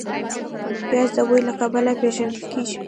پیاز د بوی له کبله پېژندل کېږي